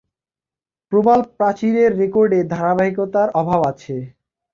প্রবাল প্রাচীরের রেকর্ডে ধারাবাহিকতার অভাব আছে।